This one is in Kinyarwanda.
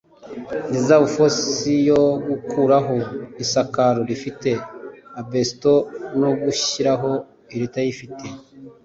Reserve Force yo gukuraho isakaro rifite asbestos no gushyiraho iritayifite